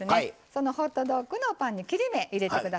そのホットドッグのパンに切れ目入れて下さい。